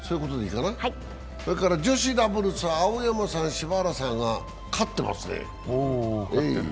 それから女子ダブルス、青山さん、柴原さんが勝ってますね。